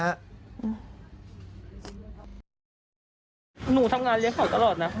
หนูทำงานเลี้ยงเขาตลอดนะ